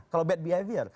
kalau bad behavior